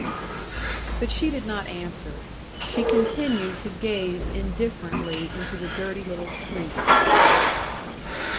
But she did not answer. She continued to gaze indifferently into the dirty little street.